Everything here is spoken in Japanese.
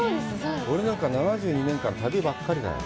俺なんか、７２年間旅ばっかりだよ。